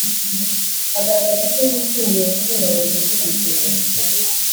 -agaragaza ko yishimiye kubungabunga ibidukikije